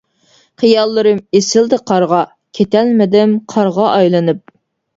خىياللىرىم ئېسىلدى قارغا، كېتەلمىدىم قارغا ئايلىنىپ.